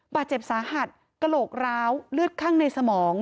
บาดเจ็บสาหัสกระโหลกร้าวเลือดคั่งในสมอง